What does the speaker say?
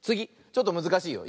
ちょっとむずかしいよ。